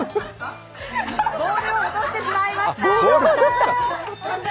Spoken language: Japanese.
ボウルを落としてしまいました。